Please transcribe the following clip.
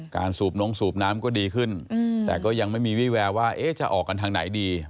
สูบน้องสูบน้ำก็ดีขึ้นแต่ก็ยังไม่มีวี่แววว่าจะออกกันทางไหนดี